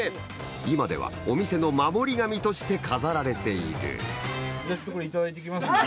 今ではお店の守り神として飾られているじゃあこれ頂いていきますんで。